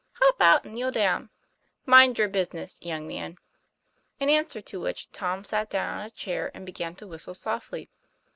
Hop out and kneel down." TOM PLA YFAIR. 165 "Mind your business, young man." In answer to which Tom sat down on a chair and began to whistle softly.